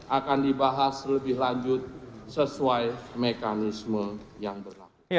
akan dibahas lebih lanjut sesuai mekanisme yang berlaku